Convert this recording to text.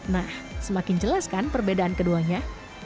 nah semakin jelas kan perbedaan keduanya